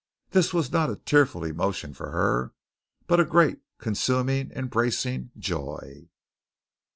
This was not a tearful emotion for her, but a great, consuming, embracing joy.